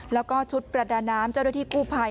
แล้วก็ชุดประดาน้ำเจ้าหน้าที่กู้ภัย